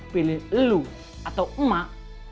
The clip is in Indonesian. pilih lo atau emak